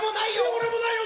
俺もないよ！